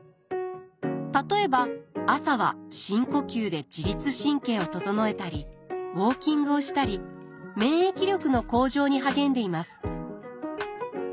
例えば朝は深呼吸で自律神経を整えたりウォーキングをしたり免疫力の向上に励んでいます。